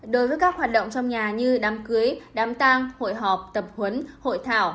đối với các hoạt động trong nhà như đám cưới đám tang hội họp tập huấn hội thảo